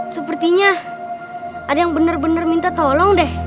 sepertinya ada yang bener bener minta tolong deh